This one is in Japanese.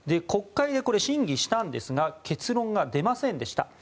国会で審議したんですが結論が出ませんでした。